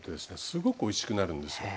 すごくおいしくなるんですよ。